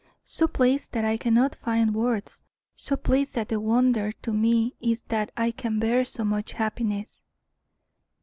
"So pleased that I cannot find words so pleased that the wonder to me is that I can bear so much happiness."